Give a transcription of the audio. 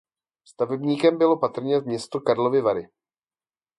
Stavebníkem bylo patrně město Karlovy Vary.